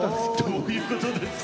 どういうことですか。